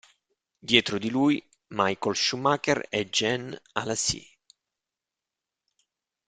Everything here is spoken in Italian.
Dietro di lui Michael Schumacher e Jean Alesi.